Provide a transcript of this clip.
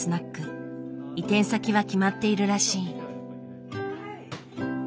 移転先は決まっているらしい。